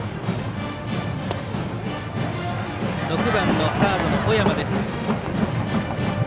６番のサードの尾山です。